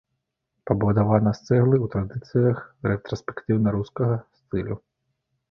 Пабудавана з цэглы ў традыцыях рэтраспектыўна-рускага стылю.